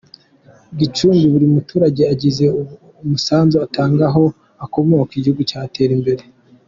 Gicumbi Buri muturage agize umusanzu atanga aho akomoka igihugu cyatera imbere